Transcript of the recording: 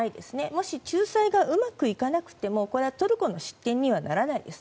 もし仲裁がうまくいかなくてもトルコの失点にはならないです。